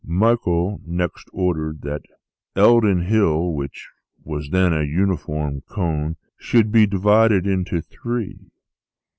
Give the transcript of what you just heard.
Michael next ordered that Eildon Hill, which was then a uniform cone, should be divided into three.